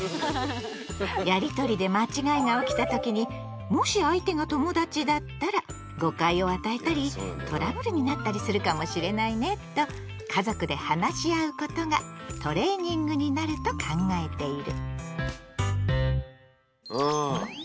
やりとりで間違いが起きた時に「もし相手が友達だったら誤解を与えたりトラブルになったりするかもしれないね」と家族で話し合うことがトレーニングになると考えている。